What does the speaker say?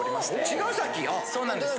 そうなんです。